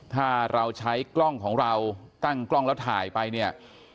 ถ้าเราใช้กล้องของเราตั้งกล้องแล้วถ่ายไปเนี่ย